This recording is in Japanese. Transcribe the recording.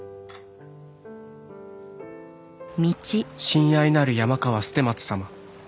「親愛なる山川捨松様」